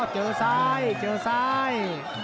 เจอซ้ายเจอซ้าย